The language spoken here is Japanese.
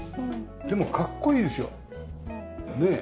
でもかっこいいですよねえ。